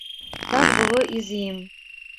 Так было і з ім.